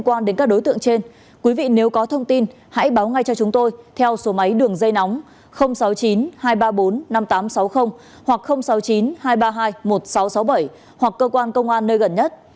cơ quan trên quý vị nếu có thông tin hãy báo ngay cho chúng tôi theo số máy đường dây nóng sáu mươi chín hai trăm ba mươi bốn năm nghìn tám trăm sáu mươi hoặc sáu mươi chín hai trăm ba mươi hai một nghìn sáu trăm sáu mươi bảy hoặc cơ quan công an nơi gần nhất